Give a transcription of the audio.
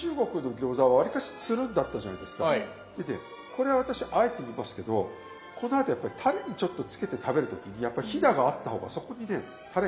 これ私あえて言いますけどこのあとやっぱりたれにちょっとつけて食べる時にやっぱりひだがあった方がそこにねたれがからむ。